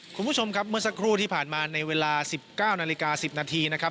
คุณผู้ชมครับเมื่อสักครู่ที่ผ่านมาในเวลา๑๙นาฬิกา๑๐นาทีนะครับ